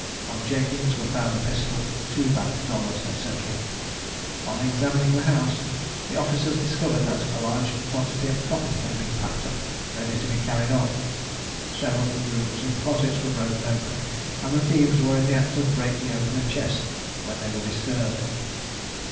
On Jenkins were found a pistol, two bad dollars, &c. On examining the house, the officers discovered that a large quantity of property had been packed up, ready to be carried off. Several rooms and closets were broken open, and the thieves were in the act of breaking open a chest when they were disturbed.